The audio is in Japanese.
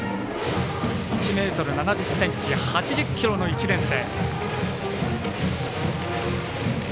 １ｍ７０ｃｍ、８０ｋｇの１年生。